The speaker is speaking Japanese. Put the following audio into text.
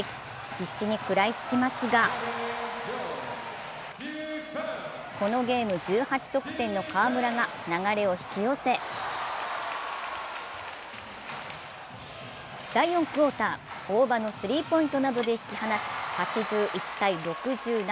必死に食らいつきますが、このゲーム、１８得点の河村が流れを引き寄せ第４クオーター・大庭のスリーポイントなどで引き離し８１−６７。